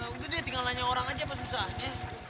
udah deh tinggal nanya orang aja apa susahnya